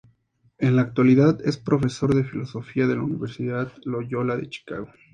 En la actualidad es profesor de filosofía en la Universidad Loyola de Chicago.